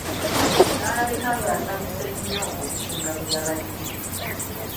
N'alabika ng'asanyuse nnyo okusinga bwe yabadde.